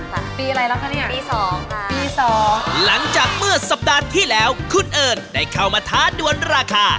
หลังจากเมื่อสัปดาห์ที่แล้วคุณเอิญได้เข้ามาท้าด่วนราคา